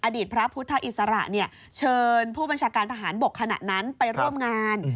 อดีตพระพุทธอิสระเชิญผู้บัญชาการทหารบกขณะนั้นไปร่วมงาน